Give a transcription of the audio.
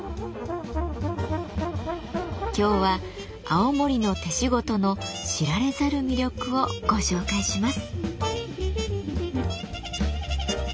今日は青森の手仕事の知られざる魅力をご紹介します。